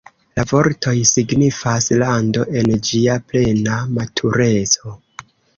La vortoj signifas "lando en ĝia plena matureco".